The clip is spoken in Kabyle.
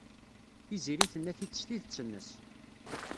Tiziri tenna-t-id s tidet-nnes.